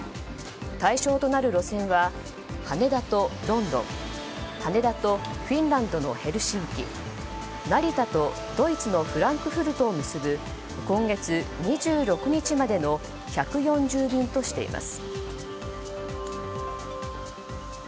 対象となる路線は羽田とロンドン羽田とフィンランドのヘルシンキ成田とドイツのフランクフルトを結ぶ今月２６日までの１４０便としています。